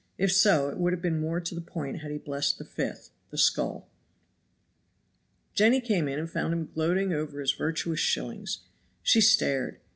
If so it would have been more to the point had he blessed the fifth the skull. Jenny came in and found him gloating over his virtuous shillings. She stared.